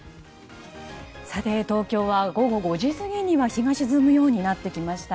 東京は午後５時過ぎには日が沈むようになってきました。